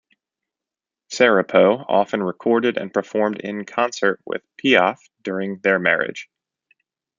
Sarapo often recorded and performed in concert with Piaf during their marriage.